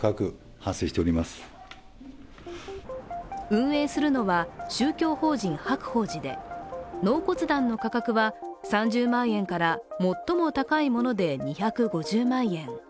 運営するのは、宗教法人・白鳳寺で納骨壇の価格は３０万円から最も高いもので２５０万円。